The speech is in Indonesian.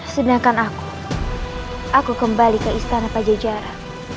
sedangkan aku aku kembali ke istana pajajaran